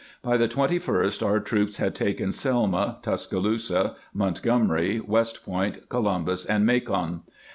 By the 21st our troops had taken Selma, Tuscaloosa, Montgomery, West Point, Columbus, and Macon.